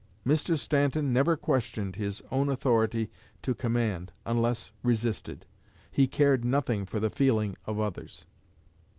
Mr. Stanton never questioned his own authority to command, unless resisted. He cared nothing for the feeling of others."